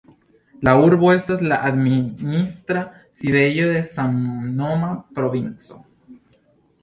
La urbo estas la administra sidejo de samnoma provinco.